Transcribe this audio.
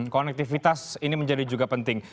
konektivitas ini menjadi juga penting